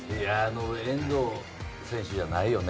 遠藤選手じゃないよね